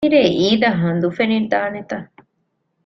މިރޭ އީދަށް ހަނދު ފެނިދާނެތަ؟